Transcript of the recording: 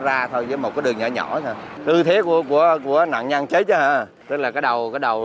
ra thôi với một cái đường nhỏ nhỏ nha tư thế của của nạn nhân chết chứ hả tức là cái đầu cái đầu